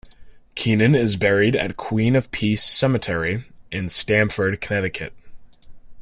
Keenan is buried at Queen of Peace cemetery in Stamford, Connecticut.